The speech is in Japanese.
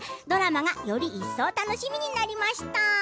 ドラマがより一層楽しみになりました。